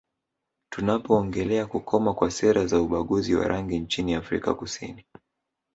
Tunapoongelea kukoma kwa sera za ubaguzi wa rangi nchini Afrika Kusini